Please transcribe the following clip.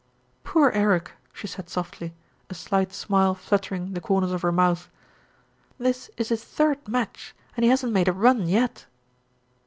"Poor Eric!" she said softly, a slight smile flutter ing the corners of her mouth. "This is his third match, and he hasn't made a run yet."